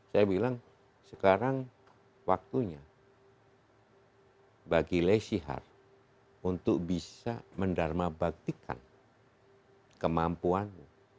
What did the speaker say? saya bilang sekarang waktunya bagi lesiar untuk bisa mendarmabaktikan kemampuanmu